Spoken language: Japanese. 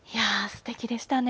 すてきでしたね。